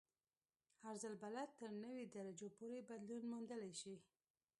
عرض البلد تر نوي درجو پورې بدلون موندلی شي